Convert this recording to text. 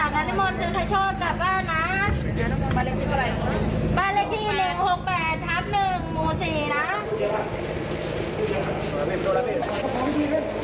สวัสดีครับ